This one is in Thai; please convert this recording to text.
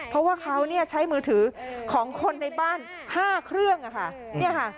เพราะว่าเขาเนี่ยใช้มือถือของคนในบ้าน๕เครื่องค่ะ